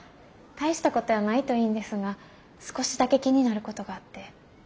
大したことやないといいんですが少しだけ気になることがあって。